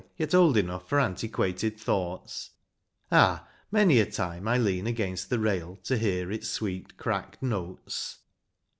Yet old enough for antiquated thoughts : Ah, many a time I lean against the rail To hear its sweet cracked notes.